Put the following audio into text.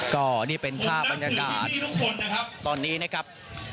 ก็นี่เป็นภาพบรรยากาศนะครับตอนนี้นะครับ